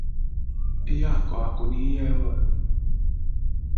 ihe akụakụ na ihe enwe